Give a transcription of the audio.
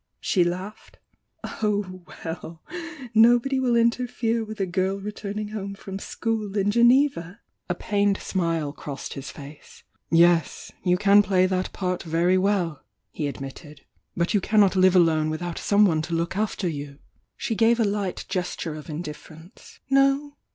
she laughed. "Oh, well! Nobody will interfere with a girl re turning home from school in Geneva!" 319 :l i" » I THE YOUNG DIANA A pained smile crossed his face. "Yes! — you can play that part very well!" he admitted. "But you cannot live alone without some one to look after you!" She gave a light gesture of indifference. "No?